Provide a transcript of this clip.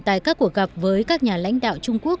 tại các cuộc gặp với các nhà lãnh đạo trung quốc